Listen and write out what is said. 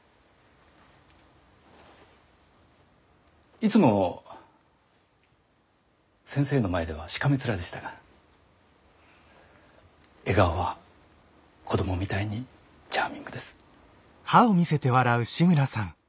いつも先生の前ではしかめ面でしたが笑顔は子供みたいにチャーミングです。